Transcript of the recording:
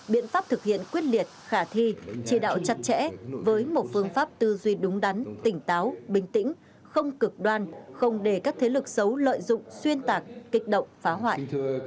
biện pháp thực hiện quyết liệt khả thi chỉ đạo chặt chẽ với một phương pháp tư duy đúng đắn tỉnh táo bình tĩnh không cực đoan không để các thế lực xấu lợi dụng xuyên tạc kích động phá hoại